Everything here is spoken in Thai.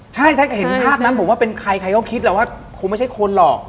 ใช่ถ้าเห็นภาพนั้นผมว่าเป็นใครใครก็คิดแล้วว่าคงไม่ใช่คนหรอก